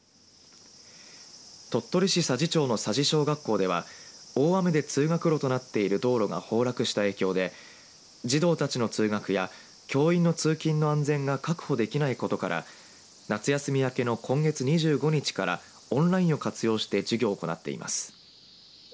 鳥取市佐治町の佐治小学校では大雨で通学路となっている道路が崩落した影響で児童たちの通学や教員の通勤の安全が確保できないことから夏休み明けの今月２５日からオンラインを活用して授業を行っています。